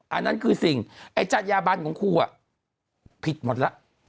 อันนั้นคือสิ่งไอ้จัญญาบันของครูผิดหมดแล้ว